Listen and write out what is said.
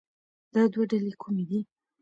دا دوه ډلې کومې دي